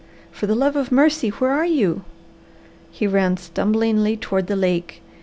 For the love of mercy, where are you?" He ran stumblingly toward the lake.